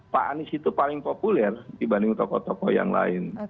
pak anies itu paling populer dibanding tokoh tokoh yang lain